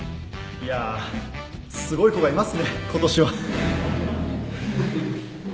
いやすごい子がいますねことしは